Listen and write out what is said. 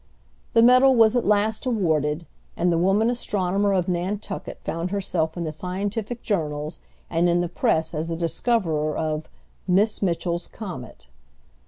The medal was at last awarded, and the woman astronomer of Nantucket found herself in the scientific journals and in the press as the discoverer of "Miss Mitchell's Comet."